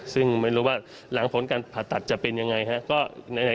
ซึ่งไม่รู้ว่าหลังผลการผ่าตัดจะเป็นยังไงครับ